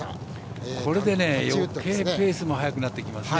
これで、よけいペースも速くなってきますね。